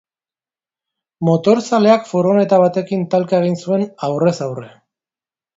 Motorzaleak furgoneta batekin talka egin zuen, aurrez aurre.